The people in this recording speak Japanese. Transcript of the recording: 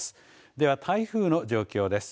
では、台風の状況です。